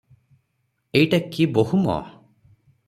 ଏଇଟା କି ବୋହୂ ମ!